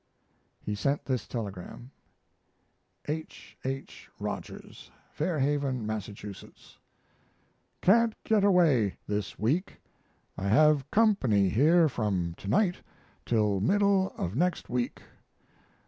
] He sent this telegram: H. H. ROGERS, Fairhaven, Mass. Can't get away this week. I have company here from tonight till middle of next week.